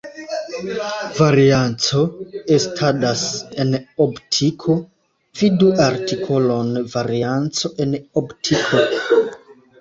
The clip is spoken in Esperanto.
Varianco estadas en optiko, vidu artikolon varianco en optiko.